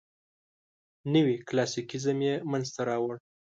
نوي کلاسیکیزم یې منځ ته راوړ.